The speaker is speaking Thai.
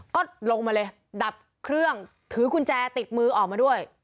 ก็ลงมาเลยดับเครื่องถือกุญแจติดมือออกมาด้วย